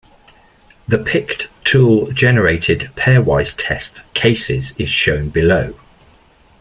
The pict tool generated pairwise test cases is shown below.